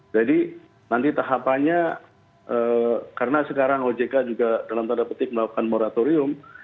jadi nanti tahapannya karena sekarang ojk juga dalam tanda petik melakukan moratorium